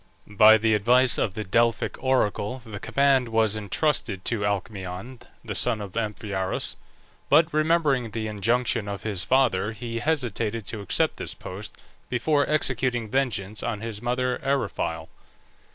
By the advice of the Delphic oracle the command was intrusted to Alcmaeon, the son of Amphiaraus; but remembering the injunction of his father he hesitated to accept this post before executing vengeance on his mother Eriphyle.